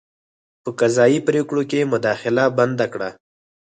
په قضايي پرېکړو کې مداخله بنده کړه.